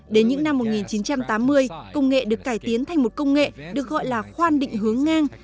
đến những năm một nghìn chín trăm tám mươi công nghệ được cải tiến thành một công nghệ được gọi là khoan định hướng ngang